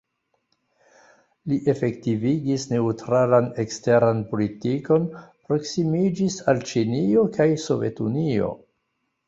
Li efektivigis neŭtralan eksteran politikon, proksimiĝis al Ĉinio kaj Sovetunio.